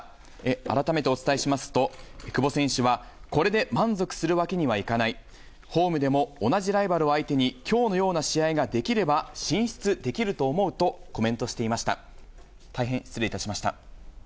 改めてお伝えしますと、久保選手はこれで満足するわけにはいかない、ホームでも同じライバルを相手にきょうのような試合ができれば進出できると思うと、コメントしていました。